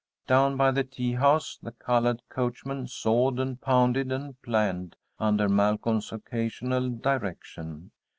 Down by the tea house the colored coachman sawed and pounded and planed under Malcolm's occasional direction.